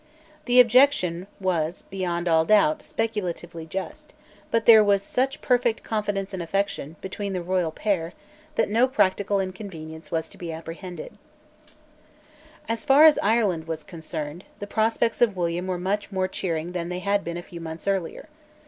The objection was, beyond all doubt, speculatively just; but there was such perfect confidence and affection, between the royal pair that no practical inconvenience was to be apprehended, As far as Ireland was concerned, the prospects of William were much more cheering than they had been a few months earlier.